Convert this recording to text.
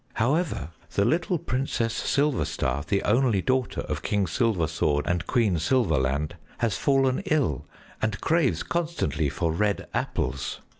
However, the little Princess Silverstar, the only daughter of King Silversword and Queen Silverland, has fallen ill and craves constantly for red apples.